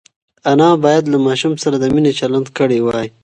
انا باید له ماشوم سره د مینې چلند کړی وای.